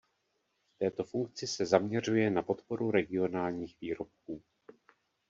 V této funkci se zaměřuje na podporu regionálních výrobků.